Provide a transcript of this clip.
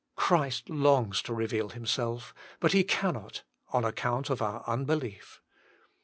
Christ longs to reveal Himself, but He cannot on account of our unbe lief.